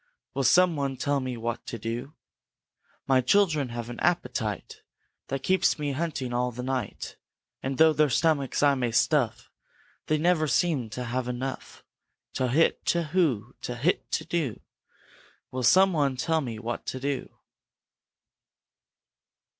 Will some one tell me what to do? My children have an appetite That keeps me hunting all the night, And though their stomachs I may stuff They never seem to have enough. Towhit, towhoo! Towhit, towhoo! Will some one tell me what to do?"